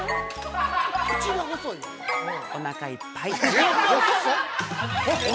◆おなかいっぱい。